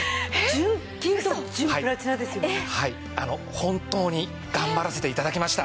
本当に頑張らせて頂きました。